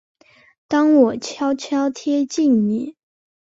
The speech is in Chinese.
当我悄悄贴近你